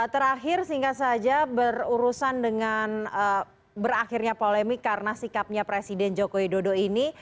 terakhir singkat saja berurusan dengan berakhirnya polemik karena sikapnya presiden joko widodo ini